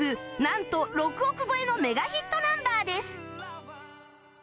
なんと６億超えのメガヒットナンバーです